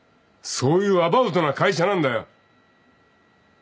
そういうアバウトな会社なんだよ。